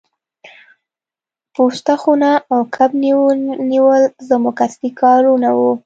پوسته خونه او کب نیول زموږ اصلي کارونه وو